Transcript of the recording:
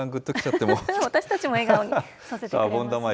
私たちも笑顔にさせてくれま